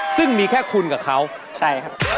ซึ่งมีแค่คุณกับเขาใช่ครับ